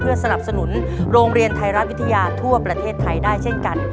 สนับสนุนโรงเรียนไทยรัฐวิทยาทั่วประเทศไทยได้เช่นกัน